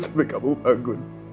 sampai kamu bangun